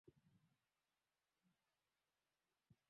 Tarehe kumi na tisa mwezi wa nne mwaka wa elfu mbili kumi na moja